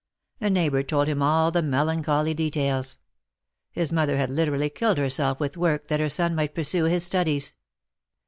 A neighbor told him all the, melancholy details. His mother had literally killed her self with work that her son might pursue his studies.